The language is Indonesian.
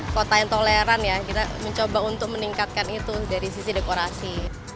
kota yang toleran ya kita mencoba untuk meningkatkan itu dari sisi dekorasi